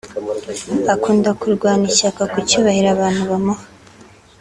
Akunda kurwana ishyaka ku cyubahiro abantu bamuha